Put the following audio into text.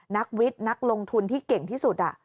นักวิทย์นักลงทุนที่เก่งที่สุด